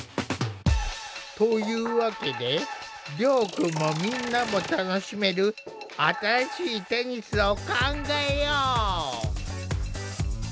というわけで遼くんもみんなも楽しめる新しいテニスを考えよう！